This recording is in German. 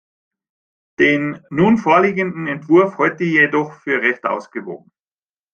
Den nun vorliegenden Entwurf halte ich jedoch für recht ausgewogen.